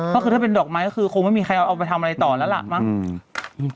ก็คือถ้าเป็นดอกไม้ก็คือคงไม่มีใครเอาไปทำอะไรต่อแล้วล่ะมั้ง